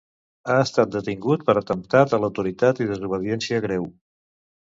Ha estat detingut per atemptat a l'autoritat i desobediència greu.